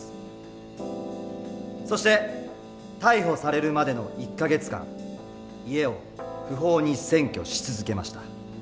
そして逮捕されるまでの１か月間家を不法に占拠し続けました。